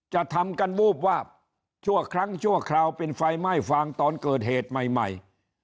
จะทำกันวูบวาบชั่วครั้งชั่วคราวเป็นไฟไหม้ฟางตอนเกิดเหตุใหม่